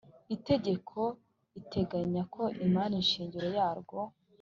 Itegeko iteganya ko imari shingiro yarwo